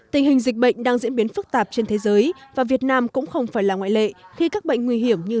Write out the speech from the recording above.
tình hình dịch bệnh đang diễn biến phức tạp trên thế giới và việt nam cũng không phải là ngoại lệ khi các bệnh nguy hiểm như